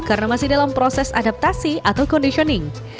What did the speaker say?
karena masih dalam proses adaptasi atau conditioning